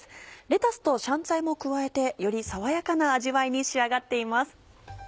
レタスと香菜も加えてより爽やかな味わいに仕上がっています。